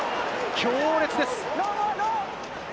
強烈です。